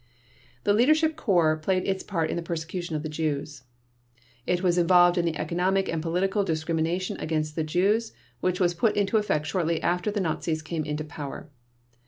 The Leadership Corps played its part in the persecution of the Jews. It was involved in the economic and political discrimination against the Jews which was put into effect shortly after the Nazis came into power.